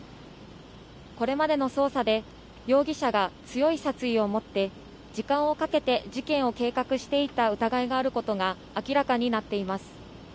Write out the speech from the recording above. これまでの捜査で、容疑者が強い殺意を持って、時間をかけて事件を計画していた疑いがあることが明らかになっています。